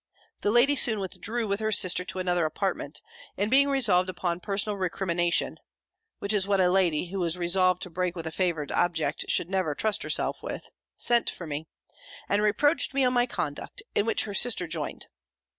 The lady soon withdrew, with her sister, to another apartment; and being resolved upon personal recrimination (which is what a lady, who is resolved to break with a favoured object, should never trust herself with,) sent for me, and reproached me on my conduct, in which her sister joined.